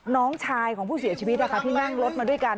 น้องชายของผู้เสียชีวิตที่นั่งรถมาด้วยกัน